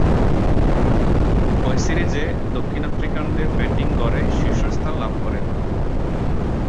ঐ সিরিজে দক্ষিণ আফ্রিকানদের ব্যাটিং গড়ে শীর্ষস্থান লাভ করেন।